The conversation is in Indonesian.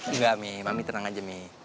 enggak mi mami tenang aja mi